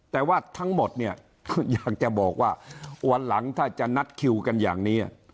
แต่ว่าทั้งหมดเนี่ยอยากจะบอกว่าวันหลังถ้าจะนัดคิวกันอย่างนี้